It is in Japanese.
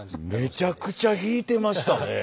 めちゃくちゃ引いてましたね。